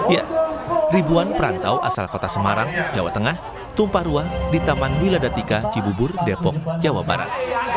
ya ribuan perantau asal kota semarang jawa tengah tumpah ruah di taman miladatika cibubur depok jawa barat